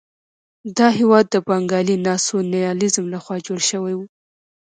دا هېواد د بنګالي ناسیونالېزم لخوا جوړ شوی وو.